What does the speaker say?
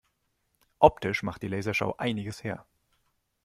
Optisch macht die Lasershow einiges her.